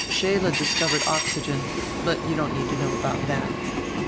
Scheele discov ered oxygen, but you don't need to know that.